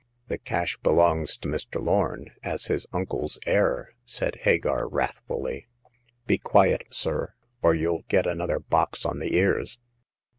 " "The cash belongs to Mr. Lorn, as his uncle's heir !" said Hagar, wrathfully. Be quiet, sir, or you'll get another box on the ears